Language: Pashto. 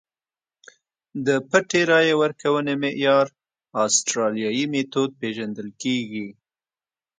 د پټې رایې ورکونې معیار اسټرالیايي میتود پېژندل کېږي.